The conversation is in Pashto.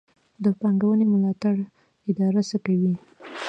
د پانګونې ملاتړ اداره څه کوي؟